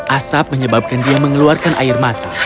asap menyebabkan dia mengeluarkan air mata